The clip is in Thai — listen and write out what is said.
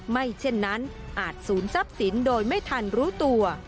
เช่นนั้นอาจศูนย์ทรัพย์สินโดยไม่ทันรู้ตัว